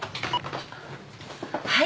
はい。